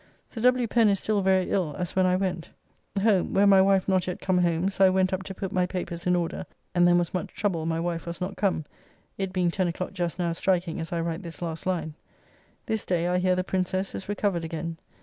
Sir W. Pen is still very ill as when I went. Home, where my wife not yet come home, so I went up to put my papers in order, and then was much troubled my wife was not come, it being 10 o'clock just now striking as I write this last line. This day I hear the Princess is recovered again.